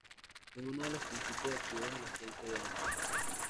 Es uno de los principios activos del aceite de anís.